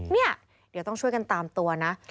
เนี่ยเดี๋ยวต้องช่วยกันตามตัวนะ